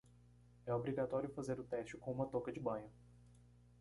É obrigatório fazer o teste com uma touca de banho.